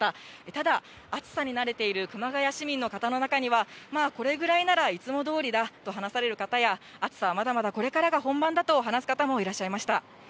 ただ、暑さに慣れている熊谷市民の方の中には、まあ、これぐらいならいつもどおりだと話される方や、暑さはまだまだこれからが本番だと話す方もいらっしゃいました。